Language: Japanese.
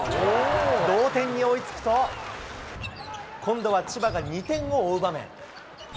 同点に追いつくと、今度は千葉が２点を追う場面。